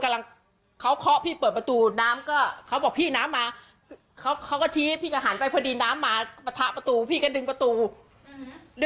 แล้วจะไปไหนรอด